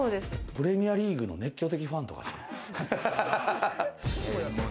プレミアリーグの熱狂的ファンとか？